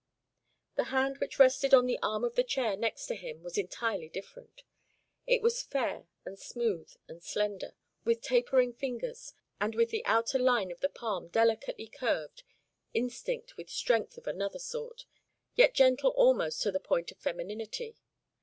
The hand which rested on the arm of the chair next to him was entirely different. It was fair and smooth and slender, with tapering fingers, and with the outer line of the palm delicately curved; instinct with strength of another sort, yet gentle almost to the point of femininity.